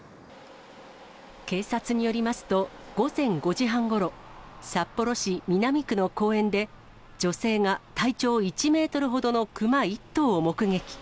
警察によりますと、午前５時半ごろ、札幌市南区の公園で、女性が体長１メートルほどのクマ１頭を目撃。